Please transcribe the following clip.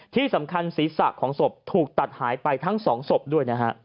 ที่สำคัญศีรษะของศพถูกตัดหายไปทั้ง๒ศพด้วยนะฮะ